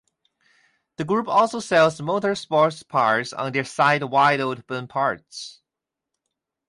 The group also sells motorsports parts on their site Wide Open Parts.